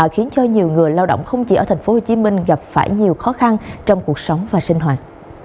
khiến cho nhiều người lao động không chỉ ở tp hcm gặp phải nhiều khó khăn trong cuộc sống và sinh hoạt